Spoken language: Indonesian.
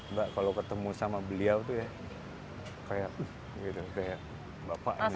mbak kalau ketemu sama beliau tuh ya kayak gitu kayak bapak gitu